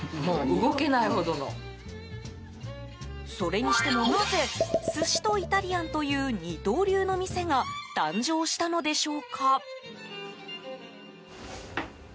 それにしてもなぜ寿司とイタリアンという二刀流の店が誕生したのでしょうか。